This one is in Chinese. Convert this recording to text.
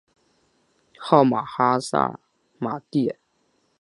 号玛哈萨嘛谛。